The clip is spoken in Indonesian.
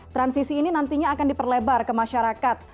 transisi ini nantinya akan diperlebar ke masyarakat